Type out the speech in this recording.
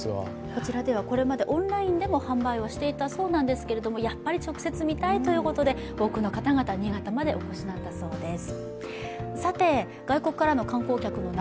こちらではこれまでオンラインでも販売をしていたそうなんですがやはり直接見たいということで多くの方々が新潟までお越しなんだそうです。